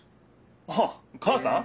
あっ母さん？